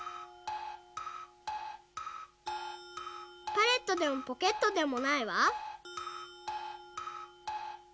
「パレット」でも「ポケット」でもないわ。